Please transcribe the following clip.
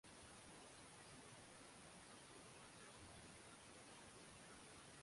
for your right simama kwa ajili ya